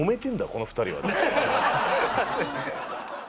この２人は。